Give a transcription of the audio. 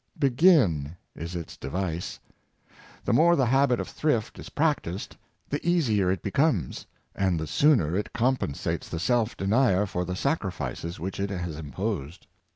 Begin is its device! The more the habit of thrift is practiced, the easier it becomes, and the sooner it compensates the self denier for the sacrifices which it has imposed.